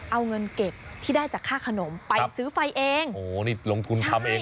เอาเงินเก็บที่ได้จากค่าขนมไปซื้อไฟเองโอ้โหนี่ลงทุนทำเอง